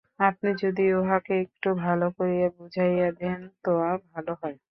আপনি যদি উঁহাকে একটু ভালো করিয়া বুঝাইয়া দেন তো ভালো হয়।